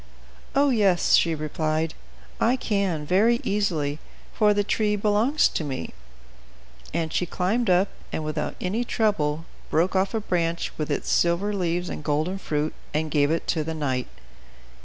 "Oh yes," she replied, "I can, very easily, for the tree belongs to me." And she climbed up, and, without any trouble, broke off a branch with its silver leaves and golden fruit and gave it to the knight.